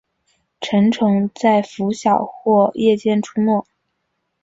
成虫在拂晓或夜间出没。